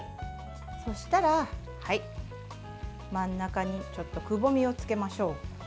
そうしたら、真ん中にくぼみをつけましょう。